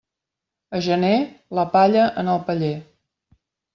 A gener, la palla en el paller.